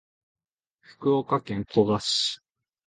福岡県古賀市